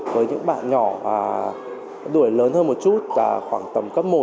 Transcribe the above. với những bạn nhỏ tuổi lớn hơn một chút khoảng tầm cấp một